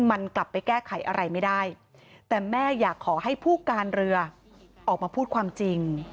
มันกลับไปแก้ไขอะไรไม่ได้แต่แม่อยากขอให้ผู้การเรือออกมาพูดความจริง